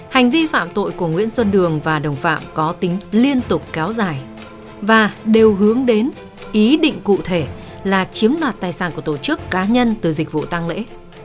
hành vi phạm tội của nguyễn xuân đường và đồng phạm có tính liên tục kéo dài và đều hướng đến ý định cụ thể là chiếm đoạt tài sản của tổ chức cá nhân từ dịch vụ tăng lễ